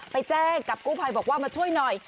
ไปแจ้งกับกู้ภัยบอกว่ามาช่วยหน่อย